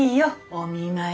お見舞い。